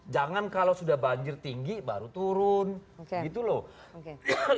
jangan kalau sudah banjir tinggi baru turun gitu loh